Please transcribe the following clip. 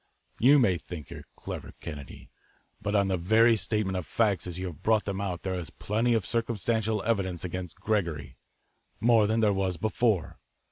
You may think you're clever, Kennedy, but on the very statement of facts as you have brought them out there is plenty of circumstantial evidence against Gregory more than there was before.